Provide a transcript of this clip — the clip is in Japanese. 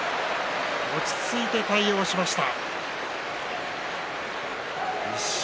落ち着いて対応しました。